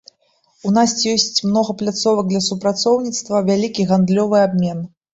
У нас ёсць многа пляцовак для супрацоўніцтва, вялікі гандлёвы абмен.